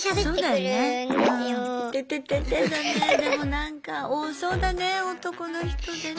でもなんか多そうだね男の人でね。